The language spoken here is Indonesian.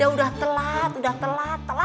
udah telat udah telat